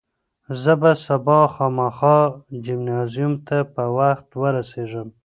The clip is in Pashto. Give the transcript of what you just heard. زه به سبا خامخا جمنازیوم ته په وخت ورسېږم.